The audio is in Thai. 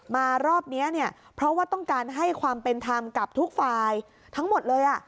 รอบนี้เนี่ยเพราะว่าต้องการให้ความเป็นธรรมกับทุกฝ่ายทั้งหมดเลย